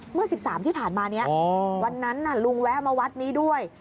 เมื่อ๑๓ที่ผ่านมานี้วันนั้นลุงแวะมาวัดนี้ด้วย